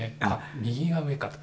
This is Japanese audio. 右が上かと。